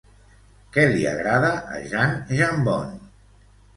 Què li agrada a Jan Jambon?